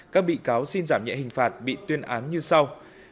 các bị cáo xin giảm nhẹ hình phạt bị tuyên án như sau